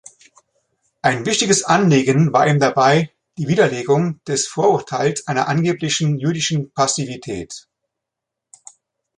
Ein wichtiges Anliegen war ihm dabei die Widerlegung des Vorurteils einer angeblichen „jüdischen Passivität“.